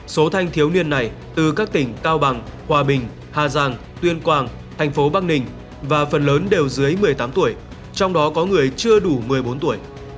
số thanh thiếu niên này từ các tỉnh cao bằng hòa bình hà giang tuyên quang thành phố bắc ninh và phần lớn đều dưới một mươi tám tuổi trong đó có người chưa đủ một mươi bốn tuổi